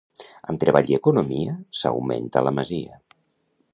Amb treball i economia s'augmenta la masia.